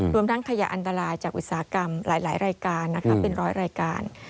รวมทั้งขยะอันตรายจากอุตสาหกรรมหลายรายการนะคะเป็นร้อยรายการ